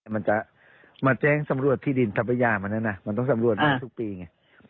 มันจะมาแจ้งสำรวจที่ดินทรัพยามาแล้วนะมันต้องสำรวจบ้านทุกปีไง